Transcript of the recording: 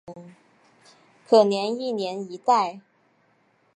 可能一年一代。